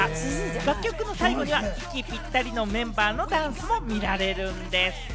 楽曲の最後には息ぴったりのメンバーのダンスも見られるんです。